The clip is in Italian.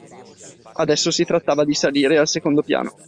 Adesso, si trattava di salire al secondo piano.